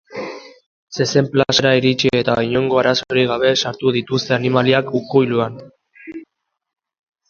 Zezen plazara iritsi eta inongo arazorik gabe sartu dituzte animaliak ukuiluan.